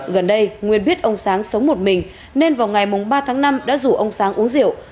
gần đây nguyên biết ông sáng sống một mình nên vào ngày ba tháng năm đã rủ ông sáng uống rượu